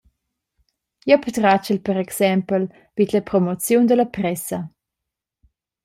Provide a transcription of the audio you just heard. Jeu patratgel per exempel vid la promoziun dalla pressa.